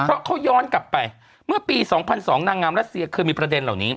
เพราะเขาย้อนกลับไปเมื่อปี๒๐๐๒นางงามรัสเซียเคยมีประเด็นเหล่านี้